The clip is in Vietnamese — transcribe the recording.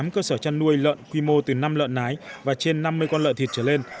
ba trăm linh tám cơ sở chăn nuôi lợn quy mô từ năm lợn nái và trên năm mươi con lợn thịt trở lên